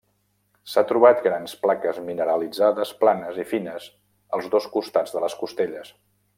S'ha trobat grans plaques mineralitzades planes i fines als dos costats de les costelles.